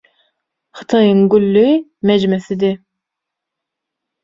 Hytaýyň gülli mejmesidi.